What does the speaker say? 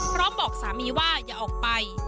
บอกสามีว่าอย่าออกไป